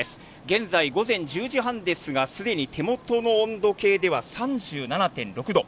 現在、午前１０時半ですが、すでに手元の温度計では３７．６度。